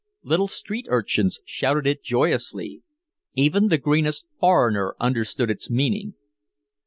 Little street urchins shouted it joyously. Even the greenest foreigner understood its meaning.